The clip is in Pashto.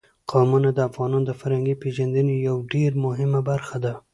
قومونه د افغانانو د فرهنګي پیژندنې یوه ډېره مهمه برخه ده.